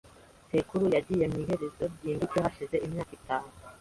Sekuru yagiye mu iherezo ryimbitse hashize imyaka itanu .